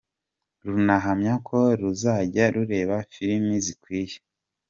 Runahamya ko ruzajya rureba filimi zikwiye.